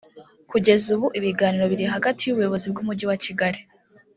Kugeza ubu ibiganiro biri hagati y’ubuyobozi bw’umujyi wa Kigali